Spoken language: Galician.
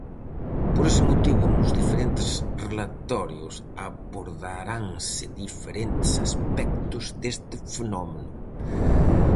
Por ese motivo, nos diferentes relatorios abordaranse diferentes aspectos deste fenómeno.